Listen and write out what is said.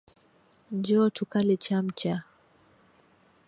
Njoo tukale chamcha.